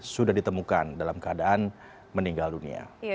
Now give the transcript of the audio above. sudah ditemukan dalam keadaan meninggal dunia